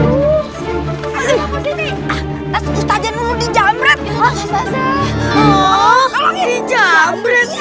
politik kamu distudio di jambrit